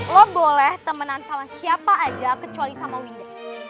lo boleh temenan sama siapa aja kecuali sama winda